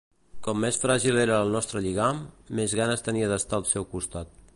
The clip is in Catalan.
Com més fràgil era el nostre lligam, més ganes tenia d'estar al seu costat.